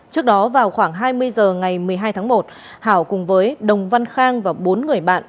trước đó vào khoảng hai mươi h ngày một mươi hai tháng một hảo cùng với đồng văn khang và bốn người bạn